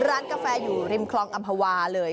ร้านกาแฟอยู่ริมคลองอำภาวาเลย